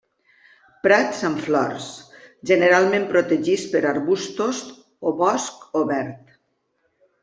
Prats amb flors, generalment protegits per arbustos o bosc obert.